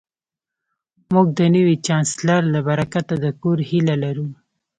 موږ د نوي چانسلر له برکته د کور هیله لرو